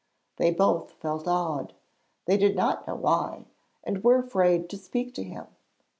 They both felt awed they did not know why and were afraid to speak to him.